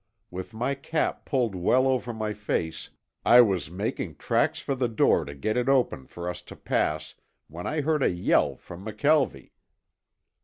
With my cap pulled well over my face I was making tracks for the door to get it open for us to pass, when I heard a yell from McKelvie.